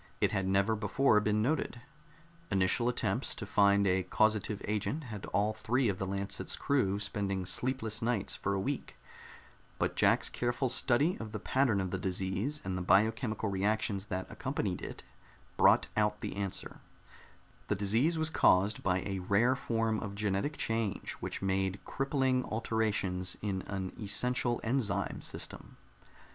It had never before been noted. Initial attempts to find a causative agent had all three of the Lancet's crew spending sleepless nights for a week, but Jack's careful study of the pattern of the disease and the biochemical reactions that accompanied it brought out the answer: the disease was caused by a rare form of genetic change which made crippling alterations in an essential enzyme system.